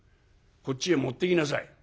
「こっちへ持ってきなさい。